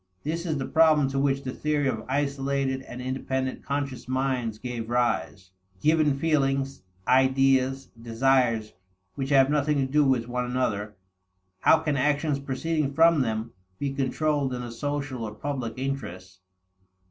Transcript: This is the problem to which the theory of isolated and independent conscious minds gave rise: Given feelings, ideas, desires, which have nothing to do with one another, how can actions proceeding from them be controlled in a social or public interest?